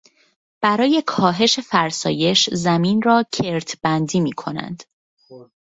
برای کاهش فرسایش، زمین را کرتبندی میکنند